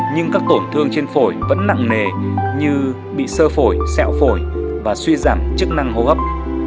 nhưng các tổn thương trên phổi vẫn nặng nề như bị sơ phổi xẹo phổi và suy giảm chức năng hô hấp